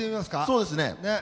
そうですね。